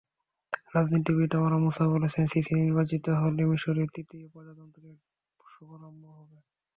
রাজনীতিবিদ Amr Moussa বলেছেন, Sisi নির্বাচিত হলে মিসরের তৃতীয় প্রজাতন্ত্রের শুভারম্ভ হবে।